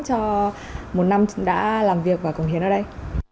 cho một năm đã làm việc và cống hiến ở đây